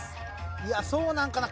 いやそうなんかな？